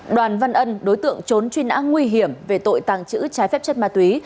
đoàn văn ân đối tượng trốn truy nã nguy hiểm về tội tàng trữ trái phép chất ma túy